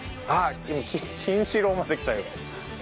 あっ今「キンシロウ」まできたよ。